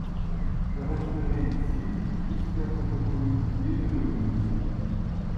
Je resterai ici jusquà ce que vous me disiez de venir.